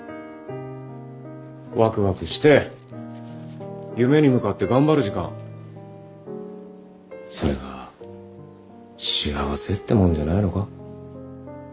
ワクワクして夢に向かって頑張る時間それが幸せってもんじゃないのか？